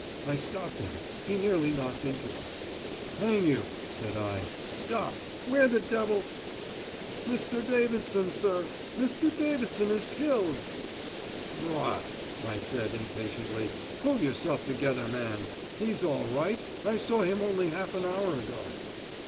I stopped him; he nearly knocked into us. "Hang you," said I. "Stop! Where the devil...?" "Mr. Davidson, sir ... Mr. Davidson is killed." "Rot!" I said, impatiently. "Pull yourself together, man. He's all right. I saw him only half an hour ago."